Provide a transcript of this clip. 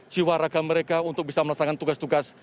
jiwa raga mereka untuk bisa melaksanakan tugas tugas